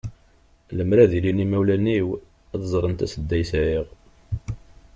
Lemmer ad ilin yimawlan-iw, ad ẓren tasedda i yesɛiɣ.